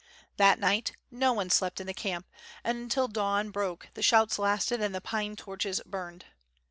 That night no one slept in the camp; and until the dawn broke the shouts lasted and the pine torches burned.